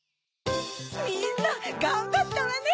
みんながんばったわね。